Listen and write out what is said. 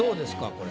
これ。